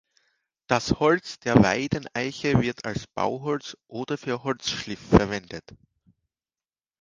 Das Holz der Weiden-Eiche wird als Bauholz oder für Holzschliff verwendet.